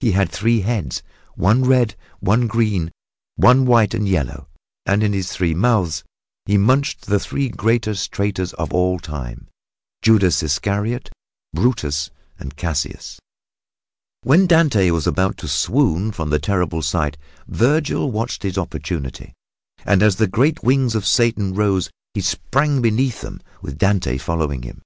He had three heads, one red, one green and one white and yellow; and in his three mouths he munched the three greatest traitors of all time Judas Iscariot, Brutus and Cassius. When Dante was about to swoon from the terrible sight, Vergil watched his opportunity, and as the great wings of Satan rose he sprang beneath them, with Dante following him.